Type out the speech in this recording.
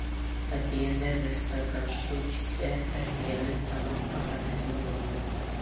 ئەتىگەندە بىر ئىستاكان سۇ ئىچسە ئەتىگەنلىك تاماق ئاسان ھەزىم بولىدۇ.